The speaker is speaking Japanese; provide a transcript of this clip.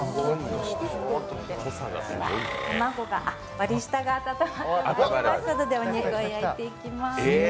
割り下が温まってまいりましたのでお肉を焼いていきます。